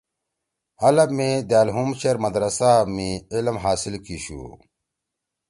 حلب می دأل ہُم چیر مدرسہ می علم حاصل کیِشُو۔